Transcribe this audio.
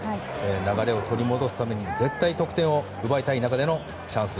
流れを取り戻すために絶対に得点を奪いたい中でのチャンス。